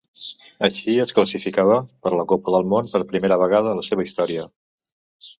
Així es classificava per la Copa del Món per primera vegada a la seva història.